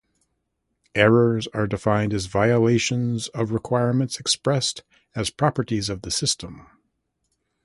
Errors are defined as violations of requirements expressed as properties of the system.